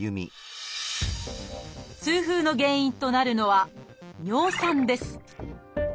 痛風の原因となるのは「尿酸」です